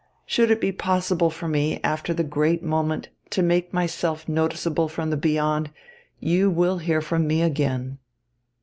Should it be possible for me, after the great moment, to make myself noticeable from the Beyond, you will hear from me again.